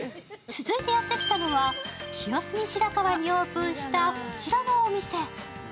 続いてやってきたのは清澄白河にオープンした、こちらのお店。